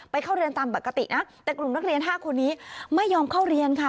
เข้าเรียนตามปกตินะแต่กลุ่มนักเรียน๕คนนี้ไม่ยอมเข้าเรียนค่ะ